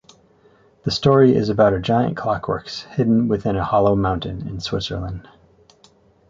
The story is about a giant clockworks hidden within a hollow mountain in Switzerland.